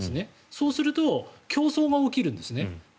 そうすると競争が起きるんですね。